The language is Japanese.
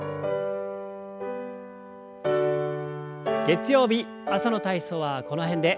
月曜日朝の体操はこの辺で。